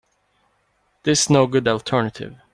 This no good alternative.